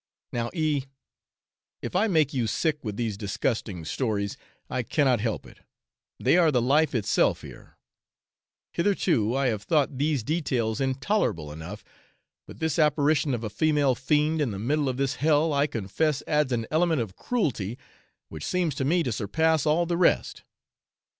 Now, E , if I make you sick with these disgusting stories, I cannot help it they are the life itself here; hitherto I have thought these details intolerable enough, but this apparition of a female fiend in the middle of this hell I confess adds an element of cruelty which seems to me to surpass all the rest.